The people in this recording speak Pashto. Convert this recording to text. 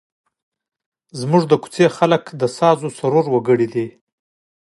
زموږ د کوڅې خلک د سازوسرور وګړي نه دي.